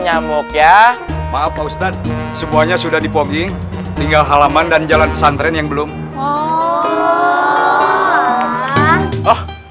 nyamuk ya maaf pak ustadz semuanya sudah dipogging tinggal halaman dan jalan pesantren yang belum oh